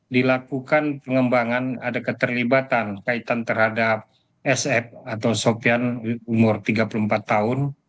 dilakukan pengembangan ada keterlibatan kaitan terhadap sf atau sofian umur tiga puluh empat tahun